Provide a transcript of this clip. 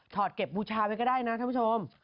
อดเก็บบูชาไว้ก็ได้นะท่านผู้ชม